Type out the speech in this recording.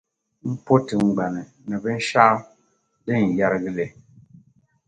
M po tiŋgbani, ni binshɛɣu din yɛrgi li.